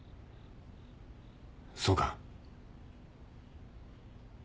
そうか。